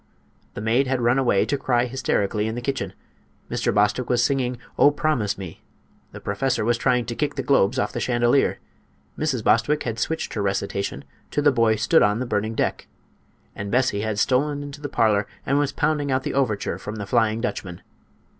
The maid had run away to cry hysterically in the kitchen; Mr. Bostwick was singing "O Promise Me;" the professor was trying to kick the globes off the chandelier; Mrs. Bostwick had switched her recitation to "The Boy Stood on the Burning Deck," and Bessie had stolen into the parlor and was pounding out the overture from the "Flying Dutchman."